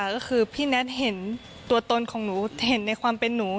ก็คือพี่แท็ตเห็นตัวตนของหนูเห็นในความเป็นหนู